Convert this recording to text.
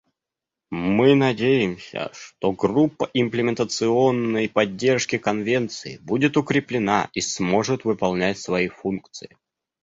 Мы надеемся, что Группа имплементационной поддержки Конвенции будет укреплена и сможет выполнять свои функции.